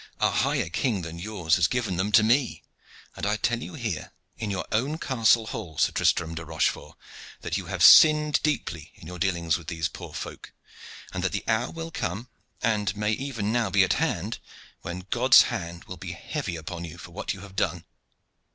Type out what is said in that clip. "A higher King than yours has given them to me, and I tell you here in your own castle hall, Sir Tristram de Rochefort, that you have sinned deeply in your dealings with these poor folk, and that the hour will come, and may even now be at hand, when God's hand will be heavy upon you for what you have done."